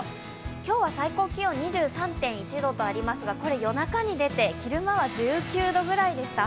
今日は最高気温２３．１度とありますが夜中に出て、昼間は１９度ぐらいでした。